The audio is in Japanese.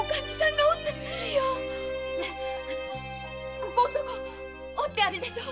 ここんとこ折ってあるでしょ？